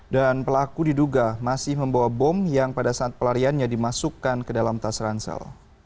dan pelaku diduga masih membawa bom yang pada saat pelariannya dimasukkan ke dalam tas ransel